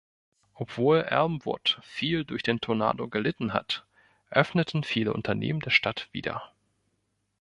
Obwohl Elmwood viel durch den Tornado gelitten hat, öffneten viele Unternehmen der Stadt wieder.